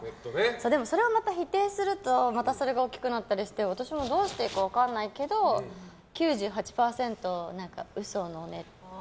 それをまた否定するとそれがまた大きくなったりして私もどうしていいか分からないけど９８％嘘のネット